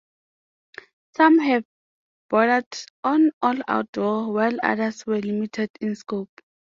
Some have bordered on all-out war, while others were limited in scope.